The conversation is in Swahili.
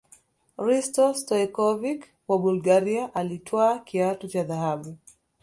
hristo stoichkovic wa bulgaria alitwaa kiatu cha dhahabu